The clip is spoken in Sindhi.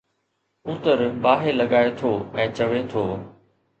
پوتر باهه لڳائي ٿو ۽ چوي ٿو